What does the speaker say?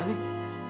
aduh aduh aduh